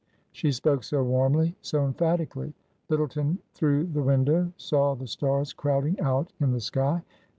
She spoke so warmly, so emphatically. Lyttleton, through the window, saw the stars crowding out in the sky.